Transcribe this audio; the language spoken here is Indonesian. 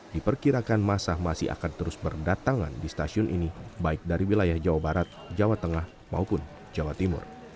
diperkirakan masa masih akan terus berdatangan di stasiun ini baik dari wilayah jawa barat jawa tengah maupun jawa timur